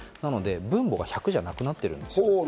分母が１００じゃなくなってるんです。